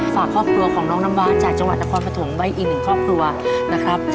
ฝากครอบครัวของน้องน้ำหวานจากจังหวัดนครปฐมไว้อีกหนึ่งครอบครัวนะครับ